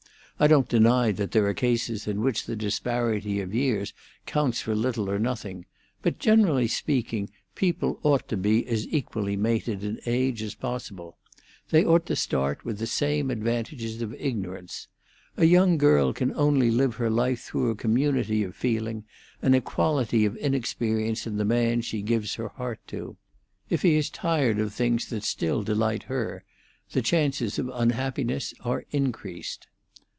I don't deny that there are cases in which the disparity of years counts for little or nothing, but generally speaking, people ought to be as equally mated in age as possible. They ought to start with the same advantages of ignorance. A young girl can only live her life through a community of feeling, an equality of inexperience in the man she gives her heart to. If he is tired of things that still delight her, the chances of unhappiness are increased."